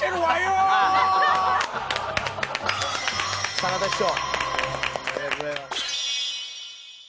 坂田師匠。